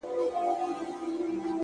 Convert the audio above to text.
• ماهېره که ـ